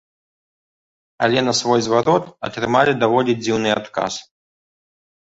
Але на свой зварот атрымалі даволі дзіўны адказ.